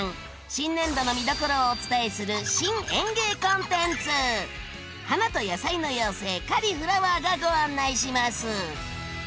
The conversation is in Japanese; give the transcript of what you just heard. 新年度の見どころをお伝えする花と野菜の妖精カリ・フラワーがご案内します！